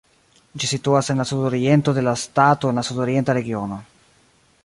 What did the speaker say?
Ĝi situas en la sudoriento de la stato en la Sudorienta regiono.